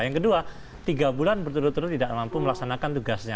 yang kedua tiga bulan berturut turut tidak mampu melaksanakan tugasnya